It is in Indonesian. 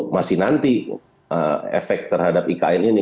masih nanti efek terhadap ikn ini